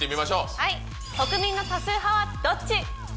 国民の多数派はどっち？